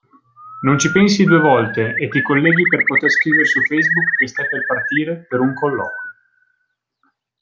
Non ci pensi due volte e ti colleghi per poter scrivere su Facebook che stai per partire per un colloquio!